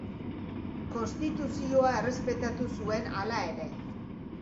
Konstituzioa errespetatu zuen, hala ere.